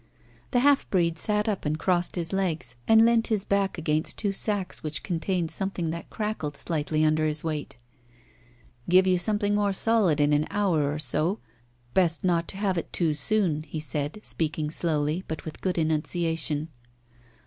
The half breed sat up and crossed his legs, and leant his body against two sacks which contained something that crackled slightly under his weight. "Give you something more solid in an hour or so. Best not have it too soon," he said, speaking slowly, but with good enunciation.